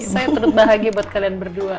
saya turut bahagia buat kalian berdua